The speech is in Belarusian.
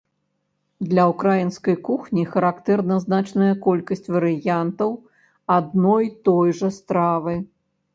Для ўкраінскай кухні характэрна значная колькасць варыянтаў адной той жа стравы.